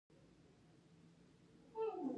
یورانیم د افغانانو د ژوند طرز اغېزمنوي.